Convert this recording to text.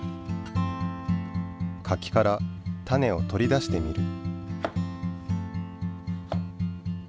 柿から種を取り出してみる。